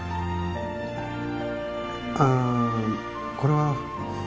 あこれは。